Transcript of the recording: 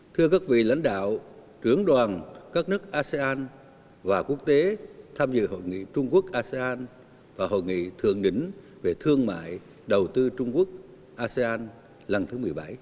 thưa các vị lãnh đạo trưởng đoàn các nước asean và quốc tế tham dự hội nghị trung quốc asean và hội nghị thượng đỉnh về thương mại đầu tư trung quốc asean lần thứ một mươi bảy